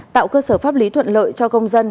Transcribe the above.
tạo cơ sở pháp lý thuận lợi cho công dân